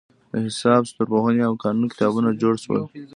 د حساب، ستورپوهنې او قانون کتابونه جوړ شول.